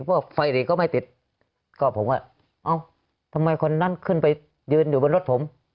พวกไฟหลีกก็ไม่ติดก็ผมก็เอ้าทำไมคนนั้นขึ้นไปยืนอยู่บนรถผม